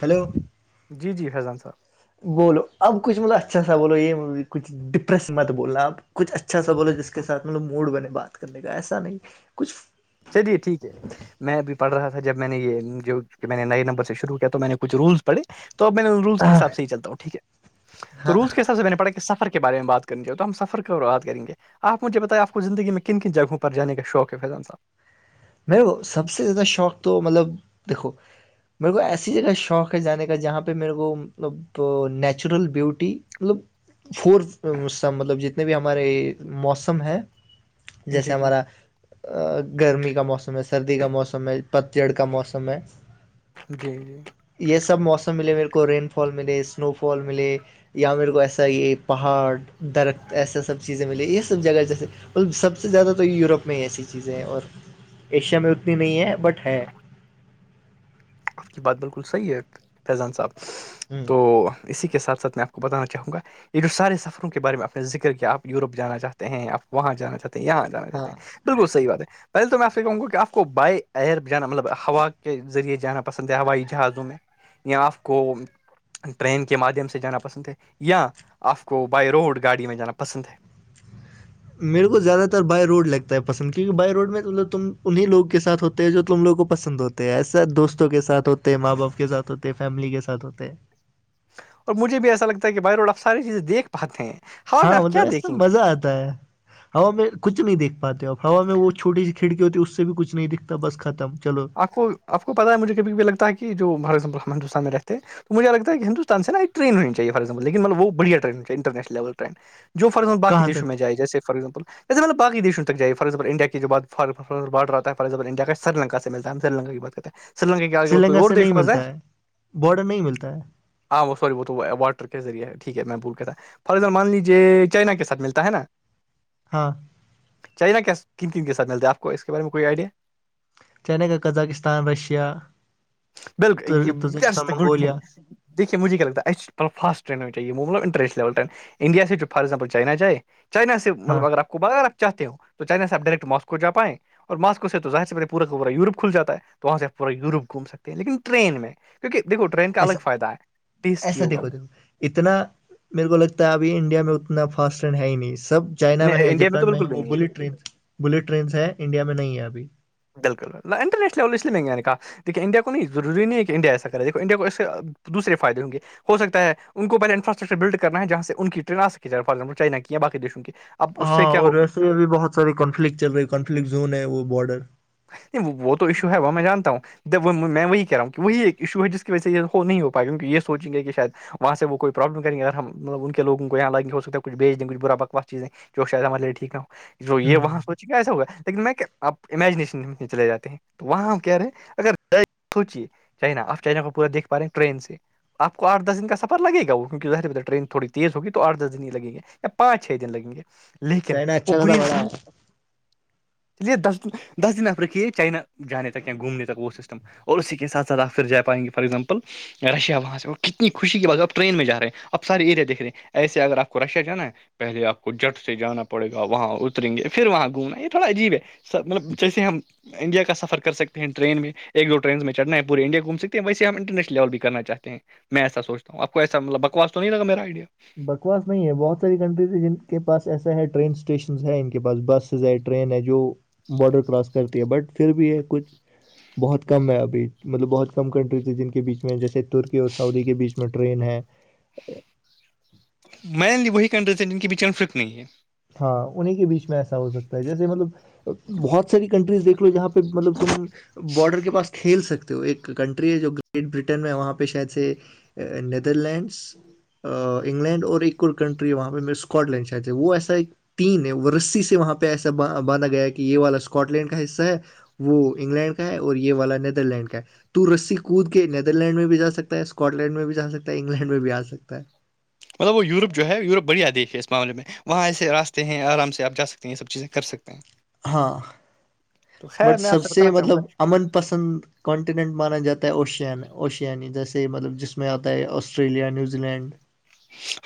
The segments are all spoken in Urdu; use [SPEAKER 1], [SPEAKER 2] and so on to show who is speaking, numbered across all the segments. [SPEAKER 1] ہیلو
[SPEAKER 2] جی جی فیضان صاحب
[SPEAKER 1] بولو اب کچھ مطلب اچھا سا بولو یہ کچھ ڈپریس مت بولنا آپچھ اچھا بولو جس کے سھ مطلب موڈ بنے بات کر [unintelligible] نے گا ایسا نہیں کچھ [unintelligible]
[SPEAKER 2] چلیے ٹھیک ہے میں بھی پڑھ رہا تھا جب میں نے یہ جو کہ میں نے نئے نمبر سے شروع کیا تو میں نے کچھ رولس پڑھے میں نے رولس کے حساب سے ہی چلتا ہوں ٹھیک ہے تو
[SPEAKER 1] ہاں
[SPEAKER 2] رولس کے حات [unintelligible] سے میں نے پڑھا کہ سفر کے بارے میں بات کرنی ہو تو ہم سفر کی بات کریں گے آپ مجھے بتائے آپ کو زندگی میں کن کن جگہوں پر جانے کا شوق ہے فیضان صاحب
[SPEAKER 1] میرے کو سب سے زیادہ شوق تو مطلب دیکھو میرے کو ایسی جگہ شوق ہے جانے کا جہاں پہ میرے کو مطلب نیچرل بیوٹی مطلب فور سا مطلب جتنے بھی ہمارے موسم ہیں
[SPEAKER 2] صاحب
[SPEAKER 1] جیسے
[SPEAKER 2] جی جی
[SPEAKER 1] ہمارا گرمی کا موسم ہے سردی کا موسم ہے پتڑ کا موسم ہے [unintelligible]
[SPEAKER 2] جی جی [unintelligible]
[SPEAKER 1] یہ سب موسم ملے میرے کو رین فال ملے اسنو فال ملے یا میرے کو ایسا یہ پہاڑ درخت ایسا سب چیزیں ملیں یہ سب جگہ جیسے سب سے زیادہ تو یوروپ میں ہی ایسی چیزیں ہیں اور ایشیا میں اتنی نہیں ہے بٹ ہے
[SPEAKER 2] [inaudible] آپ کی بات بالکل صحیح ہے فیضان صاحب
[SPEAKER 1] ہ
[SPEAKER 2] تو اسی کے سات ساتھ میں آپ کو بتان چاہوں گا یہ جو سارے سفروں کے بارے میں آ نے ذکر کیا آپ یوروپ جانا چاہتے ہیں آپ وہاں جانا چاہتے ہیں یا جا جے
[SPEAKER 1] ہاں
[SPEAKER 2] [unintelligible] بالکل صحی بات ہے پہے تو میں آپ سے کہوں گا کہ آپ کو بائی ایئر جانا مطلب ہوا کے ذریعے جانا [unintelligible] پسند ہے ہوائی جہازوں میں یہیااں آپ کو [unintelligible] ٹرین کے مادھیم سے جانا پسند ہے یا آپ کو بائی روڈ گاڑی میں جانا پسند ہے
[SPEAKER 1] میرے کو زیادہ تر بائی روڈ لگتا ہے پسند کیونکہ بائی روڈ میں مطل تم انہیں لوگ کے ساتھ ہوتے ہیں جو تم لوگ کو پسند ہوتے [unintelligible] ایسا دوستوں کے ساتھ ہوتے ماں باپ کے ساتھ ہوتے فیملی کے ساتھ ہوتے
[SPEAKER 2] اور مجھے بھی ایسا لگتا کہ بائی روڈ آپ ساری چیزیں دیکھ پتے ہیں ہوا میں
[SPEAKER 1] ہاں م
[SPEAKER 2] آپ
[SPEAKER 1] تو
[SPEAKER 2] کیا
[SPEAKER 1] ایس تو
[SPEAKER 2] دیکھیں گے
[SPEAKER 1] مزہ آتا ہے [unintelligible] ہوا میں کچھ نہیں دیکھ پاتے آب ہوا میں وہ چھوٹی سی کھڑکی ہوتی ہے اس سے بھی کچھ نہیں دکھتا بس ختم چلو
[SPEAKER 2] آپ کو آپ کو پتاہ ہے مجھے کبھی کبھی لگتا ہے کہ جو بھارت ہندوستان میں رہتے ہیں تو مھے لگتا ہے ہوستان نا ایک رین ہو چاہی فپ لنل وہ بڑیا ٹن انرنیشل لی رین [unintelligible] جو ف باق
[SPEAKER 1] کہاں
[SPEAKER 2] دیش
[SPEAKER 1] تک
[SPEAKER 2] میں جیے فار ایگزامپل [unintelligible] ایسےطب بقی دیش تک جائی فارگزامل انڈیا کے جو بات فار بڈر آتا ہےارگامل انڈیا کا سری لنک سے ملتا سری لنکا کی بات کرتے سری لنکا کی آگے ب کوئی
[SPEAKER 1] لنکا
[SPEAKER 2] اور
[SPEAKER 1] سے نہیں
[SPEAKER 2] دیش وغس ہے
[SPEAKER 1] ملتا بارڈر نہیں ملتا ہے
[SPEAKER 2] ہاں وہ سوری وہ تو واٹر کے ذریعے ہے ٹھیک ہے میں بھول کے تھا فز مان لیجیے چائنا کے ساتھ ملتا ہے نا
[SPEAKER 1] ہاں
[SPEAKER 2] چائنا کیا قم قم کے سھ ملتا ہے آپ کو اس کے بارے میں کوئی آئیڈیا
[SPEAKER 1] چین کا قزاکستان رشیا
[SPEAKER 2] بالکل یہ
[SPEAKER 1] تزکستان
[SPEAKER 2] گڈ تھنگ
[SPEAKER 1] منگولیا
[SPEAKER 2] دیکے مجھے کیا لگتا ہےسل فاسٹرین میں چاہے مطل انرول رین انڈیا سے جو فار ایگزامپل چائنا جائے چائنا سے
[SPEAKER 1] ہاں
[SPEAKER 2] مطلب اگر آپ کو ب اگرپ چاہتے ہو تو چائنا ص آب ڈائریکٹ مسو جا پائیں اور ماسکو سے توظاہر سے پورا پورا یوروپ کھل جاتا ہے تو وہاں سے آپ پورا یوروپ گھوم ستے ہیں لیکن ٹرین میں کیونکہ دیکو ٹرین کا
[SPEAKER 1] ایسا
[SPEAKER 2] الگ فائدہ ہے ٹیسٹی
[SPEAKER 1] ایسا
[SPEAKER 2] ہوگا
[SPEAKER 1] دیکھو
[SPEAKER 2] وہ
[SPEAKER 1] دیکھو اتنا میرے کو لگتا ہے ابھی انڈیا میں اتنا فاسٹ اینڈ ہے ہی نہیں سب چائنا میں
[SPEAKER 2] نہیں
[SPEAKER 1] ہے
[SPEAKER 2] انڈیا تو
[SPEAKER 1] جاپان میں
[SPEAKER 2] بالکل
[SPEAKER 1] ہے
[SPEAKER 2] بھی
[SPEAKER 1] وہ
[SPEAKER 2] نہیں
[SPEAKER 1] بلیٹ ٹرینس بلیٹ ٹرینس ہے انڈیا میں نہیں ہے ابھی
[SPEAKER 2] بالکل انٹرنیشل لیول اس لیے منگ نے کہا د کہ انڈیا کو نہیں روری نہیں ہے کہ انڈیا ایسا کرے دیک انڈیا کوے تو دوسر فائد ہوں گے ہو سکتا ہے ان کو پہل انفرسٹرکر بلڈ کرنا ہے جاں سے ان کی ٹن آک جائے فزامپل چائنا کی یا بقی دیشوں کی اب اس سے
[SPEAKER 1] ہاں
[SPEAKER 2] کیا ہو
[SPEAKER 1] اور ویسے میں بھی بہت ساری کانفلکٹ چل رہی ہے کانفلکٹ زون ہے وہ بارڈر
[SPEAKER 2] نہیں وہ تو ایشو ہے وہ میں جانتا ہوں میں وہی کہہ رہا ہوں کہ وہی ایک ایشو ہے جس کی وجہ سے یہ ہو نہیں ہو پائے گا کیونکہ یہ سوچیں گے کہ شاید وہاں سے وہ کوئی پرابلم کریں گ اگر ہمط ا ان کے لوگوں کو یہاں لگ نہیں ہو سکتا کچھ بھی دیں گچھ بر بکوا چی دیں شاید مان لے ٹھیک نہ ہو
[SPEAKER 1] ہ
[SPEAKER 2] یہ وہاں سوچے کہ ایسا ہوا لیکن میںپ امیجنیش ے چے جاتے ہیں تو وہاں ہم کیاہ رہے ہیں اگر سوچیے چائنا آپ چائنا کو پورا دیکھ پا رہے ہیں ٹرین سے آپ کو آھ دس دن کافر لگے گا کیک ظاہر ٹرین تھڑیز ہوی تو آھ دس دن ہی لگ گے یا پانچ چھ دن لگیں گے لیکن
[SPEAKER 1] چائنا
[SPEAKER 2] وہ
[SPEAKER 1] اچھا خاصا
[SPEAKER 2] بڑیا
[SPEAKER 1] بڑا ہے
[SPEAKER 2] سب چ دس دس دن نفر کیے چائنا جانے تک یا گھومنے تک وہ سسٹم اور اسی کے سات سھ آپ پھر جا پائیں گے فارور ایگزامپل رشیا وہاں سے کتنی خوشی کی بات ا ٹرین میں جاے ہیں اب سے ایریا دیکھ رہے ہیں ایسے اگر آپ کو رشیا جانا ہے پہلے آپ کو جٹ سے جانا پڑے گا وہاں اتریں گے پھر وہاں گھومنا یہ تھوڑا عجیب ہے سب مطلب جیسے ہم انڈیا کا سفر کر سک ہیں ٹن میں ایک دو ٹرین میں چڑھنا ہے پورے انڈیا گھوم سکتے ہیں ویسے ہم انٹرنیشن لیول بھی کرنا چاہتے ہیں میں ایسا سوچتاوں آپ کو ایسا م بکوا تو نہیں لا میرائیڈیا
[SPEAKER 1] بکواس نہیں ہے بہت ساری کنٹریز ہے جن کے پاس ایسا ہے ٹرین اسٹیشنز ہے ان کے پاس بس ہے ٹرین ہے جو بارڈر کراس کرتی ہے بٹ پھر بھی ہے کچھ بہت کم ہے ابھی مطلب بہت کم کنٹریز ہے جن کے بیچ میں جیسے ترکی اور سعودی کے بیچ میں ٹرین ہے ا
[SPEAKER 2] مینلی وہی کنڈیز جن کے بیچ ان فرک نہیں ہے
[SPEAKER 1] ہاں انہیں کے بیچ میں ایسا ہو سکتا ہے جیسے مطلب بہت ساری کنٹریز دیکھ لو جہاں پہ مطلب بارڈر کے پاس کھیل سکتے ہو ایک کنٹری ہے جو گریٹ برٹن میں وہاں پہ شاید سے نیدر لینڈس انگلینڈ اور ایک اور کنٹری وہاں پہ م اسکاٹ لینڈ چاہتےے وہ ای تین ہے رسی سے وہاں پہ ایسا بانا گیا ہے کہ یہ والا اسکاٹ لینڈ کا حصہ ہے وہ انگلینڈ کا ہے اور یہ والا نیدر لینڈ کا ہے تو رسی کود کے نیدر لینڈ میں بھی جا سکتا ہے اسکاٹ لینڈ میں بھی جا سکتا ہے انگلینڈ میں بھی آ سکتا ہے
[SPEAKER 2] مطلب وہ یورپ جو ہے یورپ بڑیا دیش ہے اس معامے میں وہاں ایے راستے ہیں آرام سے آپ جا سکتے ہیں یہ سب چیزیں کر سکتے ہیں
[SPEAKER 1] ہاں
[SPEAKER 2] تو خیر
[SPEAKER 1] بٹ
[SPEAKER 2] میں آپ
[SPEAKER 1] سب سے
[SPEAKER 2] بتانا چاہوں
[SPEAKER 1] مطلب
[SPEAKER 2] گا
[SPEAKER 1] امن پسند کانٹیننٹ مانا جاتا ہے اوشین اوشیانی جیسے مطلب جس میں آتا ہے آسٹریلیا نیوزی لینڈ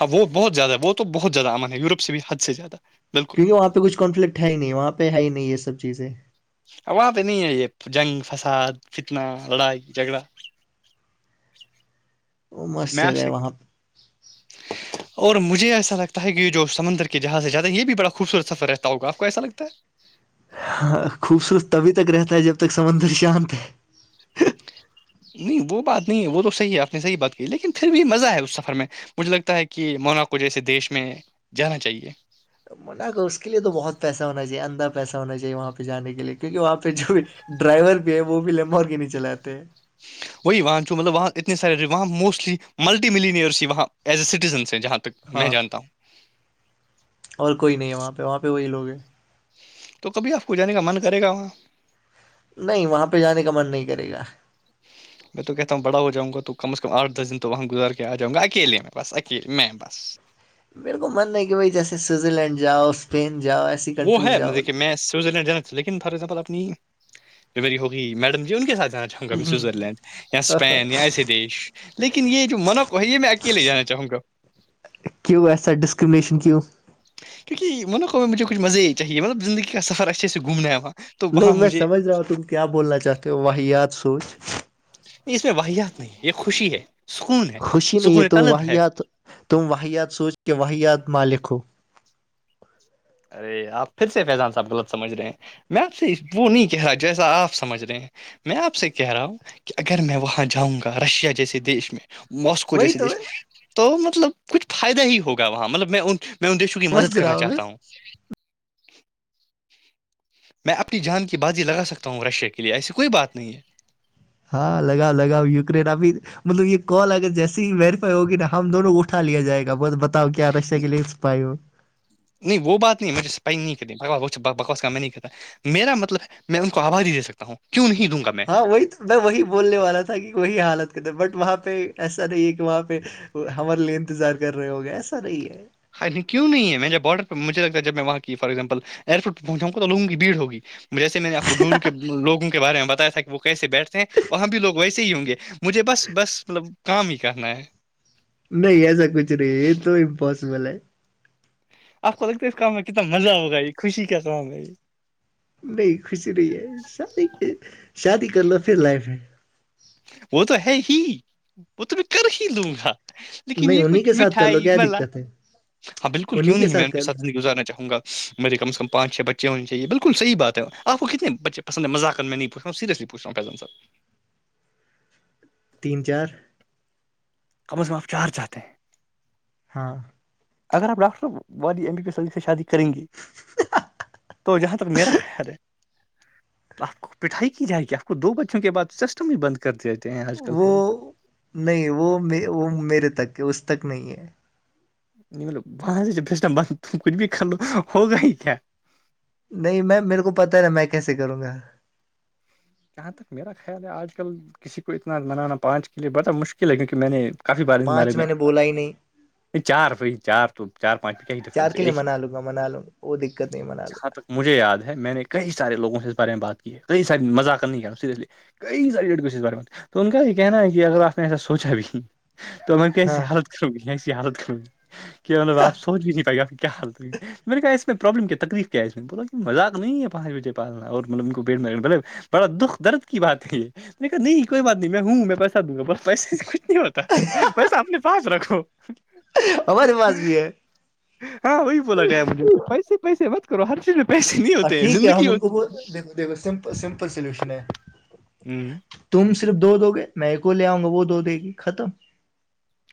[SPEAKER 2] ہاں وہ بہت زیادہ ہے وہ تو بہت زیادہ امن ہے یوروپ سے بھی حد سے زیادہ بالکل
[SPEAKER 1] کیونکہ وہاں پہ کچھ کانفلکٹ ہے ہی نہیں وہاں پہ ہے ہی نہیں یہ سب چیزیں
[SPEAKER 2] وہاں پہ نہیں ہے یہ جنگ فساد فتنا لڑائی جھگڑا
[SPEAKER 1] وہ مست جگہ ہے
[SPEAKER 2] میسک
[SPEAKER 1] [unintelligible]
[SPEAKER 2] اور مجھے ایسا لگتا ہے کہ جو سمندر جہاز سے زیادہ یہ بھی بڑا خوبصورت سفر رہتا ہوگا آپ کو ایسا لگتا ہے
[SPEAKER 1] ہاں خوبصورت تبھی تک رہتا ہے جب تک سمندر شانت ہے
[SPEAKER 2] نہیں وہ بات نہیں ہے وہ تو صحیح ہے آپ نے صحیح بات کی لیکن پھر بھی مزہ ہے اس سفر میں مجھے لگتا ہے کہ مونا کو جیسے دیش میں جانا چاہیے
[SPEAKER 1] من کر اس کے لیے بہت پیسہ ہو چیے اندر پیسہ ہونا چاہیے وہاں پہ جانے کے لیے کیونکہ وہاں پہ جو بھی ڈرائیور بھی ہے وہ بھی لمب کے نہیں چلاتے
[SPEAKER 2] وہی وہاںن جو مطلب وہاں اتنے سارے رہے وہاں موسٹلی ملٹی ملینئرس وہاں ایز اے سٹیزنس جہاں تک تک میں
[SPEAKER 1] ہاں
[SPEAKER 2] جانتا ہوں
[SPEAKER 1] اور کوئی نہیں ہے وہاں پہ وہاں پہ وہی لوگ ہیں
[SPEAKER 2] تو کبھی آپ کو جانے کا من کرے گا وہاں
[SPEAKER 1] نہیں وہاں پہ جانے کا من نہیں کرے گا
[SPEAKER 2] میں تو کہتا ہوں بڑا ہواں گا توم ازمٹ دن تو وہاں گزار کے آاؤں گا ایلے میں بس اکیے میں بس
[SPEAKER 1] میرے کو مننا ہے کہ بھائی جیسے سوئٹزرلینڈ جاؤ اسپین جاؤ ایسے
[SPEAKER 2] وہ ہے ن دیکے میں سویزرلینڈ جانا لیکن فار ایگزامپل اپنی جو میری ہوگی میڈم جی ان کے ساتھ جا چاہوں سوئزرلینڈ یا اسپین یا ایسے دیش لیکن یہ جو منو ہے یہ میں اکیے جانا چاہوں گا
[SPEAKER 1] کیویس سر ڈسکرمنیشن کیو
[SPEAKER 2] کیونکہ منو میں مجھےچھ مزے ہی چاہیے مطلب زندگی کا سفر اچھے سے گھومنا ہے وہاں تو
[SPEAKER 1] نہیں
[SPEAKER 2] وہاں
[SPEAKER 1] میں
[SPEAKER 2] مجھے
[SPEAKER 1] سمجھ رہا ہوں تم کیا بولنا چاہتے ہو وح یاد سوچ
[SPEAKER 2] نہیں اس میں واحیات نہیں یہ خوشی ہے سکون ہے
[SPEAKER 1] خوشی ن یہ
[SPEAKER 2] سکون
[SPEAKER 1] تم
[SPEAKER 2] طلب ہے
[SPEAKER 1] واحیات تم واحیات سوچ کہ واحیات مال لک ہو
[SPEAKER 2] ارے آپ پھر سے فیضان صاحب غلط سمجھ رہے ہیں میں آپ سے وہ نہیں کہہ رہا جیسا آپ سمجھ رہے ہیں میں آپ سے کہہ رہا ہوں کہ اگر میں وہاں جاؤں گا رشیا جیسے دیش میں موسکو
[SPEAKER 1] وہی
[SPEAKER 2] جیسے
[SPEAKER 1] تو
[SPEAKER 2] دیش
[SPEAKER 1] میں
[SPEAKER 2] تو مطلب کچھ فائدہ ہی ہوگا وہاں مطلب میں میں ان دیشوں کی مد
[SPEAKER 1] سمجھ رہا
[SPEAKER 2] کرنا چاہتا ہوں
[SPEAKER 1] [unintelligible]
[SPEAKER 2] میں اپنی جان کی بازی لگا سکتا ہوں رشیا کے لیے ایسی کوئی بات نہیں ہے
[SPEAKER 1] ہاں لگاؤ لگاؤ یوکرین ابھی مطلب یہ کال اگر جیسی ہی ویریفائی ہوگی نا ہم دونوں کو اٹایا جائے گا بہت ب اؤ کیا آدش س کے لیے پائی ہو
[SPEAKER 2] نہیں وہ بات نہیں مجھے پ نہیں بکواس کا میں نہیں کہتا تھا میرا مطلب ہے میں ان کو آباداری دے سکتا ہوں کیوں نہیں دوں گا میں
[SPEAKER 1] ہاں وہی تو میں وہی بولنے والا تھا کہ وہی حالت کےد بٹ وہاں پہ ایسا نہیں ہے کہ وہاں پہ ہمارے لیے انتظار کر رہے ہوگے ایسا نہیں ہے
[SPEAKER 2] خال کیوں نہیں ہے میں جب بارڈر پر مجھے لگتا جب میں وہاں کی فار ایگزامپل ایئرپورٹ پہنچا تووگوں کی بھیڑ ہوگی جیے میں نے آپ کو ڈورو کے لوگ کے بارے میں بتایا سک وہ کیسے بیٹھتے ہیں وہاں بھی لوگ ویسے ہی ہوں گے مجھے بس بس مطلب کام ہی کرنا ہے
[SPEAKER 1] نہیں ایسا کچھ رہی تو امپاسبل ہے
[SPEAKER 2] آپ کو لگتا ہے اس کام میں کتنا مزہ ہوگا یہ خوشی کیا کام ہے یہ
[SPEAKER 1] نہیں خوشی نہیں ہے شادی شادی کر لو پھر لائف ہے
[SPEAKER 2] وہ تو ہے ہی وہ تو کر ہی لوں گا لیکن
[SPEAKER 1] نہیں
[SPEAKER 2] یہ
[SPEAKER 1] انہیں
[SPEAKER 2] کچھ
[SPEAKER 1] کے ساتھ کر لو
[SPEAKER 2] مٹھائی
[SPEAKER 1] کیا
[SPEAKER 2] مل
[SPEAKER 1] دقت ہے
[SPEAKER 2] ہاں بالکل
[SPEAKER 1] انہیں
[SPEAKER 2] کیوں نہیں میں ان
[SPEAKER 1] ساتھ
[SPEAKER 2] کے
[SPEAKER 1] کر لو،
[SPEAKER 2] سادھن گزارنا چاہوں گا میے کمز کمان چھ بچے ہونے چاہیے بالکل صح بات ہے آپ کو کتنے بچے پسند مذاکق میں نہیں پوچتا سیریسلی پچھا پےن سر
[SPEAKER 1] تین چار [unintelligible]
[SPEAKER 2] کم از کم آپ چار چاہتے ہیں [unintelligible]
[SPEAKER 1] ہاں [unintelligible]
[SPEAKER 2] اگر آپ ڈاکٹر والی ایم بی پی ع سے شادی کریں گے تو جہاں تک میرا خیال ہے [unintelligible] آپ کو پٹھائی کی جائے گی آپ کو دو بچوں کے بعد سسٹم ہی بند کر دیتے ہیں آج کل
[SPEAKER 1] وہ
[SPEAKER 2] لوگ [unintelligible]
[SPEAKER 1] نہیں وہ وہ میرے تک اس تک نہیں ہے
[SPEAKER 2] ل بٹند کچھ بھی کھ لو ہوگا ہی کیا [unintelligible]
[SPEAKER 1] نہیں میں میرے کو پتا ہے نا میں کیسے کروں گا
[SPEAKER 2] جہاں تک میرا خیال ہے آج کل کسی کو اتنا منانا پانچ کے لیے بڑتا مشکل ہے کیونکہ میں نے
[SPEAKER 1] پانچ میں نے بولا ہی نہیں
[SPEAKER 2] نہیں چار بھائی چار تو چار پانچ میں کیا ہی
[SPEAKER 1] چار
[SPEAKER 2] ڈفرنس ہے
[SPEAKER 1] کے لیے
[SPEAKER 2] ایک ہی
[SPEAKER 1] منا لوں گا منا لوں گا وہ دقت نہیں منا لوں
[SPEAKER 2] جاں
[SPEAKER 1] گا
[SPEAKER 2] تک مجھے یاد ہے میں نے کئی سار لوگوں سے اس بارے میں بات کی ہے کئی ساری مذاق نہیں کیا س کئی ساری لیڈ کو بار میں تو ان کا یہ کہنا ہے کہ اگر آپ نے ایسا سوچا بھی ت کی یہ
[SPEAKER 1] ہاں
[SPEAKER 2] حلت کر گسی حالت کر کی کہب راپ سوچ نہیں پہپ کو کیا حت م نے کہا اس میں پرابلم کیا تکلیف کیا اس میں بولا کہ مذاق نہیں ہے پانچ بجے پالنا اور مطلب ان کو بیٹ میں مطلب بڑا دکھ درد کی بات ہے یہیکا نہیں کوئی بات نہیں میں ہوں میں پیسہ دوں گا بس پیسےچ نہیں ہوتا بس اپنے پاس رکھو
[SPEAKER 1] ہمارے پاس بھی ہے
[SPEAKER 2] ہاں وہی بولا گیا مجھے پیسے پیسے مت کرو ہر چیز میں پیسے نہیں ہوتے زندگی ہو
[SPEAKER 1] دیکھ سمپل سمپل سلوشن ہے
[SPEAKER 2] ہوتی
[SPEAKER 1] تم صرف دو دو گے میں کو لے آؤں گا وہ دو دے گی ختم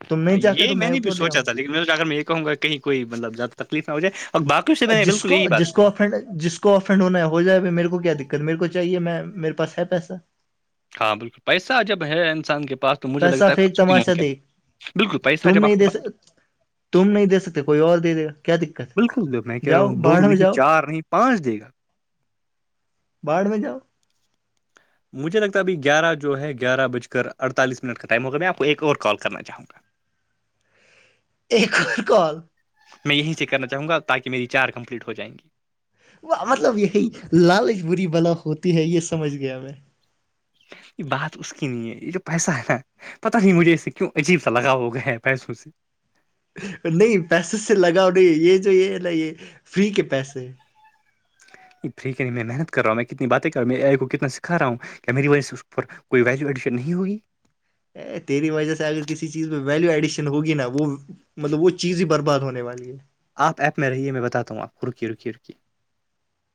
[SPEAKER 1] تم نہیں چاہتے
[SPEAKER 2] یہ
[SPEAKER 1] تو
[SPEAKER 2] میں نے بھی
[SPEAKER 1] کو لے
[SPEAKER 2] سوچا
[SPEAKER 1] آؤں
[SPEAKER 2] تھا لیکن میںا کر میں یہ کہوں گ کہیں کوئی مطلب زیادہ تکلیف نہ ہو جائے اور باقی
[SPEAKER 1] جس کو جس کو فرینڈ جس کو اس کو آف اڈ ہونا ہو جائےا میرے کو کیا دقت میرے کو چاہیے میں میرےاس ہے پیسہ
[SPEAKER 2] ہاں بالکل پیسہ جب ہے انسان کے پاس مجھے
[SPEAKER 1] پیسہ
[SPEAKER 2] لگتا ہے
[SPEAKER 1] پھینک
[SPEAKER 2] کچھ بھی
[SPEAKER 1] تماشا
[SPEAKER 2] ممکن
[SPEAKER 1] دیکھ
[SPEAKER 2] ہے بالکل پیسہ ہے
[SPEAKER 1] تم
[SPEAKER 2] جب آپ
[SPEAKER 1] نہیں
[SPEAKER 2] کے
[SPEAKER 1] دے
[SPEAKER 2] پاس تو
[SPEAKER 1] تم نہیں دے سکتے کوئی اور دے دے گا کیا دقت
[SPEAKER 2] بالکل دیک اپنے
[SPEAKER 1] ہے
[SPEAKER 2] کہہ رہا
[SPEAKER 1] جاؤ
[SPEAKER 2] ہ دو
[SPEAKER 1] باڑھ میں
[SPEAKER 2] نہیں
[SPEAKER 1] جاؤ
[SPEAKER 2] چار نہیں پانچ دے گا
[SPEAKER 1] باہڑھ میں جاؤ
[SPEAKER 2] مجھے لگتا ابھی گیارہ جو ہے گیارہ بج کر اڑتالس منٹ کا ٹائم ہوگا میں آپ کو ایک اور کال کرنا چاہوں گا
[SPEAKER 1] ایک ک کال
[SPEAKER 2] میں یہیں سےیک کرنا چاہوں گ تہ میری چار کمپلیٹ ہو جائیں گی
[SPEAKER 1] وہ مطلب یہی لالچ بری بلا ہوتی ہے یہ سمجھ گیا میں
[SPEAKER 2] یہ بات اس کی نہیں ہے یہ جو پیسہ ہے نا پتا نہیں مجھے اس سے کیوں عجیب سا لگا ہو گیا ہے پیسوں سے
[SPEAKER 1] نہیں پیسے سے لگاؤ نہیں یہ جو یہ ہے نا یہ فری کے پیسے ہیں
[SPEAKER 2] فری کے لی میںحنت کر رہا ہوں میں کتنی باتیں کر میں ایے کو کتنا سکھا رہا ہوں کیا میری وجہ سے اس پر کوئی ویلیو ایڈیشن نہیں ہوگی
[SPEAKER 1] ا تیری وجہ سے اگر کسی چیز پہ ویلو ایڈیشن ہوگی نا وہ مطلب وہ چیز ہی برباد ہونے والی ہے
[SPEAKER 2] آپ ایپ میں رہیے میں بتاا ہوں آپ کو رکی رکے رکے